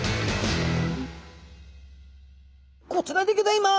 こちらでギョざいます！